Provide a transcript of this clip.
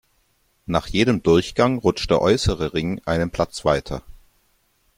Nach jedem Durchgang rutscht der äußere Ring einen Platz weiter.